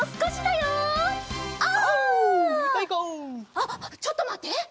あっちょっとまって！